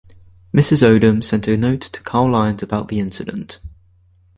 Mrs. Odom sent a note to Carl Lyons about the incident.